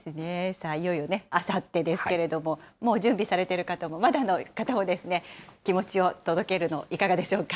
さあ、いよいよね、あさってですけれども、もう準備されてる方も、まだの方もですね、気持ちを届けるの、いかがでしょうか。